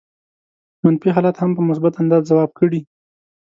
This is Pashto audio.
منفي حالات هم په مثبت انداز ځواب کړي.